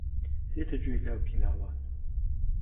دێتە گوێ لاوکی لاوان